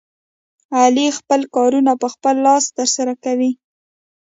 علي خپل کارونه په خپل لاس ترسره کوي.